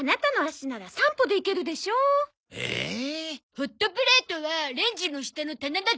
ホットプレートはレンジの下の棚だゾ。